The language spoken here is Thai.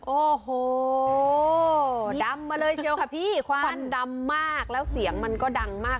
โอ้โหดำมาเลยเชียวค่ะพี่ควันดำมากแล้วเสียงมันก็ดังมาก